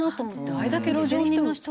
あれだけ路上寝の人がいて。